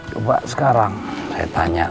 coba sekarang saya tanya